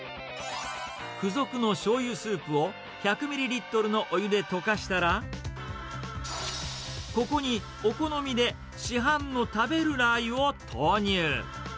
付属のしょうゆスープを１００ミリリットルのお湯で溶かしたら、ここにお好みで市販の食べるラー油を投入。